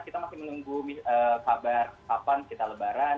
kita masih menunggu kabar kapan kita lebaran